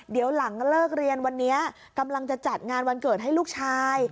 เดี๋ยวหลังเลิกเรียนวันนี้กำลังจะจัดงานวันเกิดให้ลูกชาย